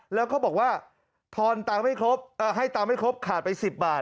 แล้วเขาบอกว่าทอนตังไม่ครบเอ่อให้ตังไม่ครบขาดไปสิบบาท